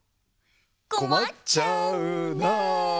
「こまっちゃうな」